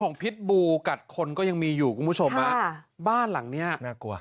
พิษบูกัดคนก็ยังมีอยู่คุณผู้ชมฮะค่ะบ้านหลังเนี้ยน่ากลัว